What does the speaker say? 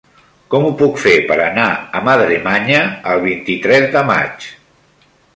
Com ho puc fer per anar a Madremanya el vint-i-tres de maig?